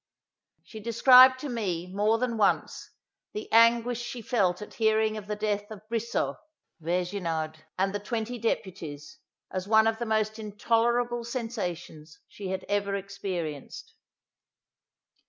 She described to me, more than once, the anguish she felt at hearing of the death of Brissot, Vergniaud, and the twenty deputies, as one of the most intolerable sensations she had ever experienced.